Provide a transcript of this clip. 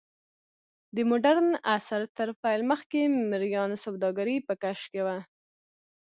د موډرن عصر تر پیل مخکې مریانو سوداګري په کش کې وه.